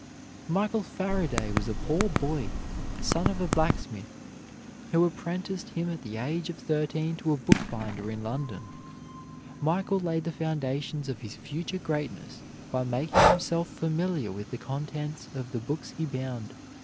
Michael Faraday was a poor boy, son of a blacksmith, who apprenticed him at the age of thirteen to a bookbinder in London. Michael laid the foundations of his future greatness by making himself familiar with the contents of the books he bound.